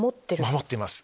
守っています。